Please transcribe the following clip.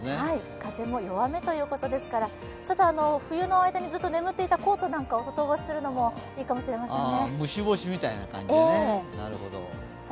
風も弱めということですから冬の間にずっと眠っていたコートなんかも外干しするのもいいかもしれませんね。